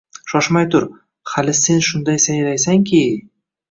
Shoshmay tur, hali sen shunday sayraysan-ki